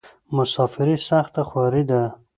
مسافري سخته خواری ده.